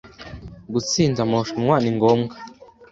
Gutsinda amarushanwa ni ngombwa.